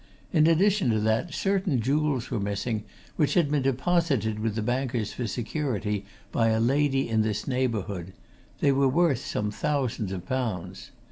In addition to that, certain jewels were missing, which had been deposited with the bankers for security by a lady in this neighbourhood they were worth some thousands of pounds.